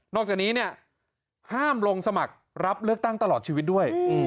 จากนี้เนี่ยห้ามลงสมัครรับเลือกตั้งตลอดชีวิตด้วย